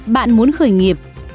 bạn muốn khởi nghiệp